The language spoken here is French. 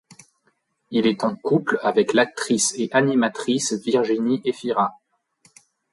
Il est en couple avec l'actrice et animatrice Virginie Efira.